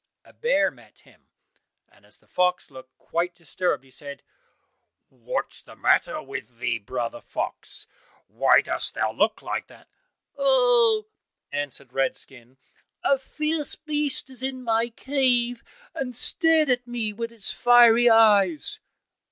A bear met him, and as the fox looked quite disturbed, he said, "What is the matter with thee, brother Fox, why dost thou look like that?" "Ah," answered Redskin, "a fierce beast is in my cave and stared at me with its fiery eyes."